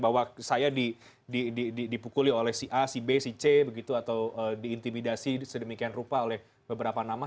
bahwa saya dipukuli oleh si a si b si c begitu atau diintimidasi sedemikian rupa oleh beberapa nama